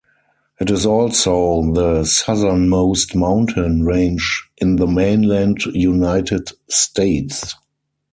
It is also the southernmost mountain range in the mainland United States.